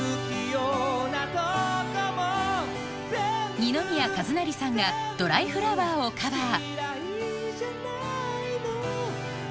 二宮和也さんが『ドライフラワー』をカバー